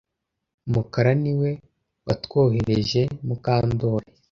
Mukara niwe watwohereje Mukandoli